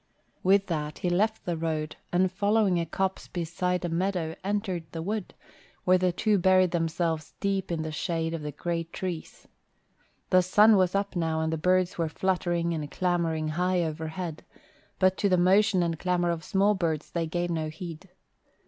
With that he left the road and following a copse beside a meadow entered the wood, where the two buried themselves deep in the shade of the great trees. The sun was up now and the birds were fluttering and clamouring high overhead, but to the motion and clamour of small birds they gave no heed.